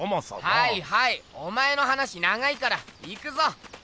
はいはいお前の話長いから行くぞ！